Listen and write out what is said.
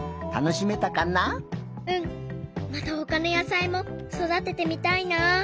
うん。またほかの野さいもそだててみたいな。